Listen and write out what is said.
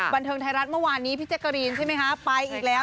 บันเทิงไทยรัฐเมื่อวานนี้พี่แจ๊กกะรีนใช่ไหมคะไปอีกแล้ว